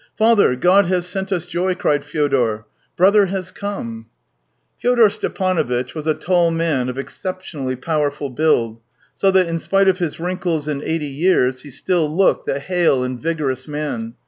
" Father, God has sent us joy !" cried Fyodor. " Brother has come !" Fyodor Stepanovitch was a tall man of exception ally powerful build, so that, in spite of his wrinkles and eighty years, he still looked a hale and vigorous man.